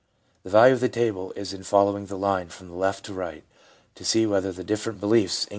The value of the table is in following the line from left to right to see whether the different beliefs increase or decline with age.